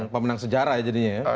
pemenang sejarah jadinya ya